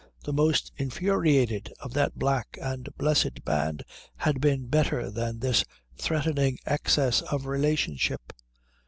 The most infuriated of that black and blessed band had been better than this threatening excess of relationship.